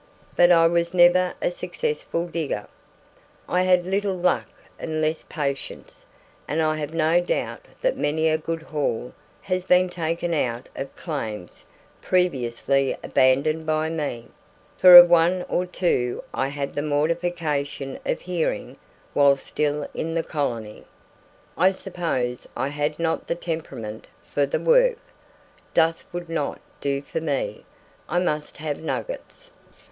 But I was never a successful digger. I had little luck and less patience, and I have no doubt that many a good haul has been taken out of claims previously abandoned by me; for of one or two I had the mortification of hearing while still in the Colony. I suppose I had not the temperament for the work. Dust would not do for me I must have nuggets.